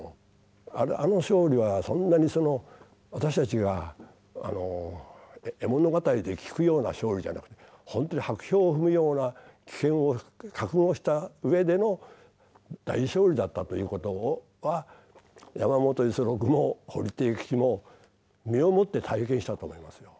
あの勝利は私たちが絵物語で聞くような勝利じゃなくてほんとに薄氷を踏むような危険を覚悟した上での大勝利だったという事は山本五十六も堀悌吉も身をもって体験したと思いますよ。